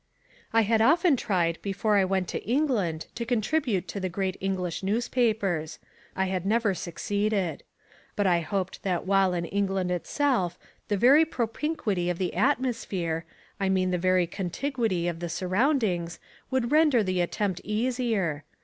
I had often tried before I went to England to contribute to the great English newspapers. I had never succeeded. But I hoped that while in England itself the very propinquity of the atmosphere, I mean the very contiguity of the surroundings, would render the attempt easier.